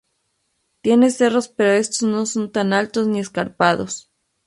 Tiene cerros pero estos no son tan altos ni escarpados.